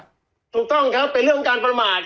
ถูกต้องครับเป็นเรื่องการประมาท